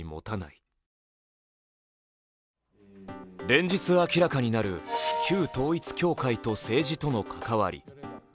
連日、明らかになる旧統一教会と政治との関わり。